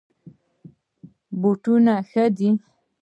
بوټان ښه دي.